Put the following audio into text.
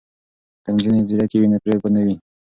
که نجونې ځیرکې وي نو فریب به نه وي.